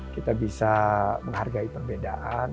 kita bisa menghargai perbedaan